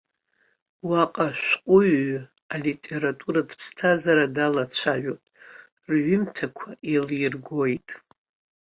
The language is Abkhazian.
Уаҟа ашәҟәыҩҩы алитературатә ԥсҭазаара далацәажәоит, рҩымҭақәа еилиргоит.